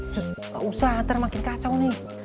sus gak usah nanti makin kacau nih